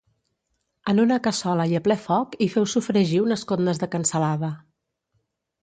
En una cassola i a ple foc hi feu sofregir unes cotnes de cansalada